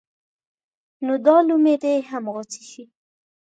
نو دا لومې دې هم غوڅې شي.